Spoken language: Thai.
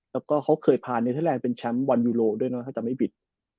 แล้วก็เคยพาเนเธอร์แลนด์เป็นแชมป์๑ยูโรด้วยนะครับถ้าจะไม่บิด